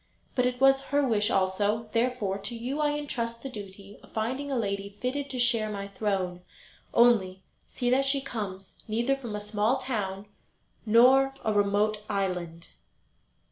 But it was her wish also; therefore, to you I entrust the duty of finding a lady fitted to share my throne; only, see that she comes neither from a small town nor a remote island."